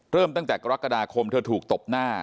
ตั้งแต่กรกฎาคมเธอถูกตบหน้า